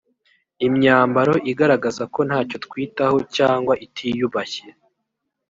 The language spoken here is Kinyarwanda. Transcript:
imyambaro igaragaza ko nta cyo twitaho cyangwa itiyubashye